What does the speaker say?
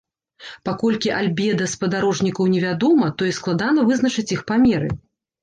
Паколькі альбеда спадарожнікаў невядома, тое складана вызначыць іх памеры.